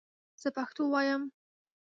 زه پښتو وایم